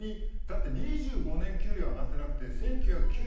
だって２５年給料上がってなくて１９９７年だっけ？